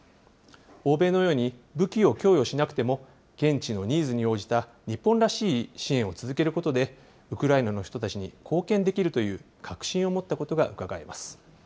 欧米のように、武器を供与しなくても現地のニーズに応じた日本らしい支援を続けることで、ウクライナの人たちに貢献できるという確信を持ったことがうかがえます。